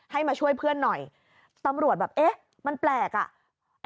ให้มาช่วยเพื่อนหน่อยตำรวจแบบเอ๊ะมันแปลกอ่ะ